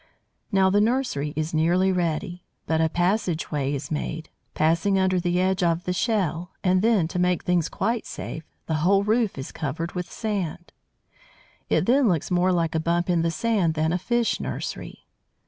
Now the nursery is nearly ready; but a passage way is made, passing under the edge of the shell, and then, to make things quite safe, the whole roof is covered with sand: it then looks more like a bump in the sand than a fish nursery.